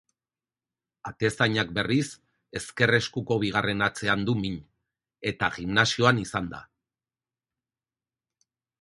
Atezainak berriz, ezker eskuko bigarren hatzean du min eta gimnasioan izan da.